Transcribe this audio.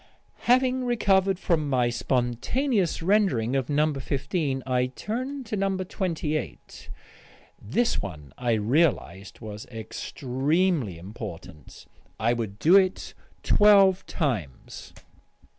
Having recovered from my spontaneous rendering of No. 15 I turned to No. 28. This one, I realised, was extremely important. I would do it twelve times.